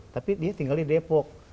tapi dia tinggal di depok